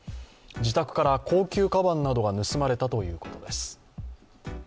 自宅から高級かばんなどが盗まれたということです。